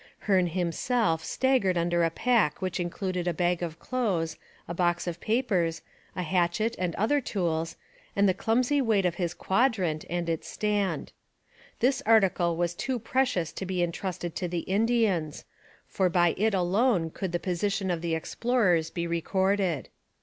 Hearne himself staggered under a pack which included a bag of clothes, a box of papers, a hatchet and other tools, and the clumsy weight of his quadrant and its stand. This article was too precious to be entrusted to the Indians, for by it alone could the position of the explorers be recorded.